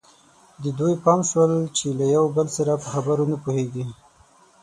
د دوی پام شول چې له یو بل سره په خبرو نه پوهېږي.